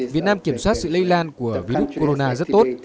việt nam kiểm soát sự lây lan của virus corona rất tốt